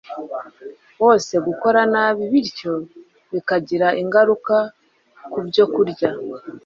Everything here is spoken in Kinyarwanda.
wose gukora nabi bityo bikagira ingaruka ku byokurya